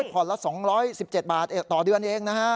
ผ่อนละ๒๑๗บาทต่อเดือนเองนะฮะ